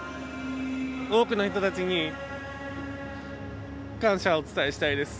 多くの人たちに感謝をお伝えしたいです。